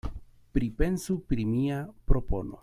Pripensu pri mia propono.